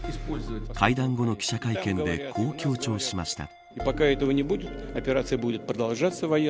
会談後の記者会見でこう強調しました。